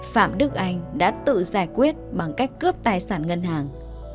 phạm đức anh đã tự giải quyết bằng cách cướp tài sản ngân hàng